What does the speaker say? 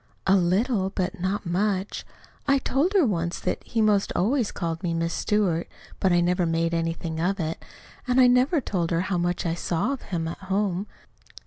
"A little, but not much. I told her once that he 'most always called me 'Miss Stewart,' but I never made anything of it, and I never told her how much I saw of him out home.